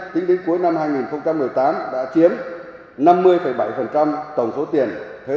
tính đến cuối năm hai nghìn một mươi tám đã chiếm năm mươi bảy tổng số tiền thuế